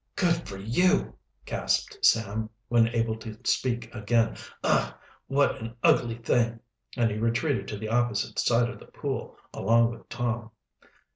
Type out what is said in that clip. "Good for you!" gasped Sam, when able to speak again. "Ugh! what an ugly thing!" And he retreated to the opposite side of the pool, along with Tom.